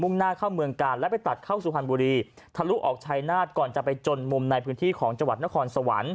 เขาก็เลยใช้รถคันนี้แหละค่ะคุณผู้ชม